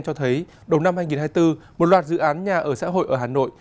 cho thấy đầu năm hai nghìn hai mươi bốn một loạt dự án nhà ở xã hội ở hà nội